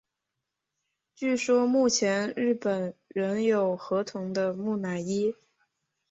据说目前日本存有河童的木乃伊。